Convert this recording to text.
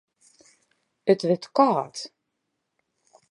It wurdt kâld.